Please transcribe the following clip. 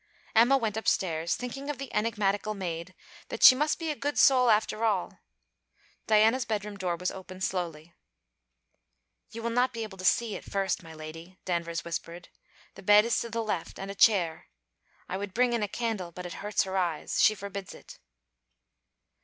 Emma went upstairs, thinking of the enigmatical maid, that she must be a good soul after all. Diana's bedroom door was opened slowly. 'You will not be able to see at first, my lady,' Danvers whispered. 'The bed is to the left, and a chair. I would bring in a candle, but it hurts her eyes. She forbids it.'